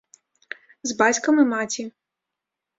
З бацькам і маці.